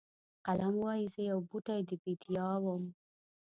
قلم وایي زه یو بوټی د بیدیا وم.